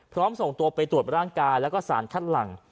พร้อมโสดไปทดตรวจร่างกายและก็สารคัดหลัง